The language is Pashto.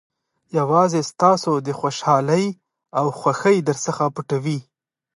یوازې ستاسو خوشالۍ او خوښۍ درڅخه پټوي.